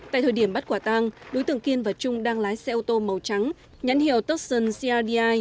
tại thời điểm bắt quả tang đối tượng kiên và trung đang lái xe ô tô màu trắng nhắn hiệu toston crdi